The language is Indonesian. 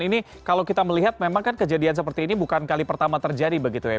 ini kalau kita melihat memang kan kejadian seperti ini bukan kali pertama terjadi begitu ya